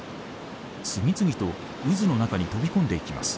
次々と渦の中に飛び込んでいきます。